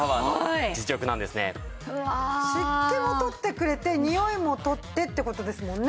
これが湿気も取ってくれてにおいも取ってって事ですもんね。